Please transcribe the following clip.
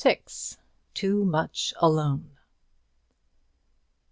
TOO MUCH ALONE.